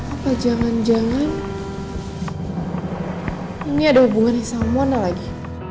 apa jangan jangan ini ada hubungannya sama no lagi